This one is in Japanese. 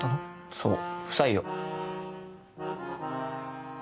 そう不採用。